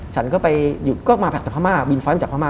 ฉันก็ไปอยู่ก็มาแผลจากพม่าบินไฟล์จากพม่า